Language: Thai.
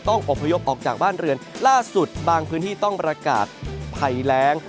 อบพยพออกจากบ้านเรือนล่าสุดบางพื้นที่ต้องประกาศภัยแรง